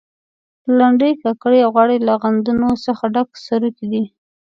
لنډۍ، کاکړۍ او غاړې له غندنو څخه ډک سروکي دي.